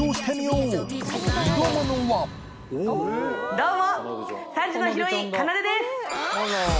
どうも。